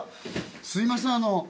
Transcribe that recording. すいません